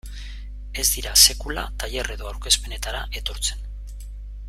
Ez dira sekula tailer edo aurkezpenetara etortzen.